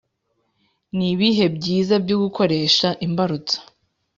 ni ibihe byiza byo gukoresha imbarutso